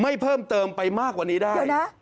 เพิ่มเติมไปมากกว่านี้ได้